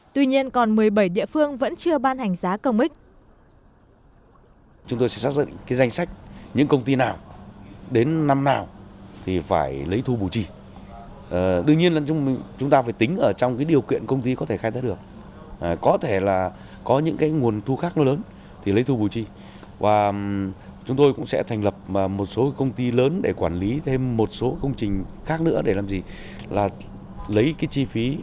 tuy nhiên còn một mươi bảy địa phương vẫn chưa ban hành giá công ích